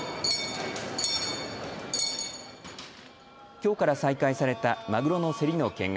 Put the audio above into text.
きょうから再開されたマグロの競りの見学。